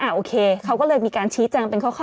โอเคเขาก็เลยมีการชี้แจงเป็นข้อ